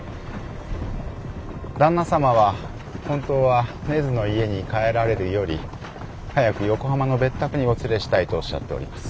旦那様は本当は根津の家に帰られるより早く横浜の別宅にお連れしたいとおっしゃっております。